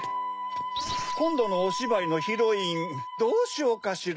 こんどのおしばいのヒロインどうしようかしら。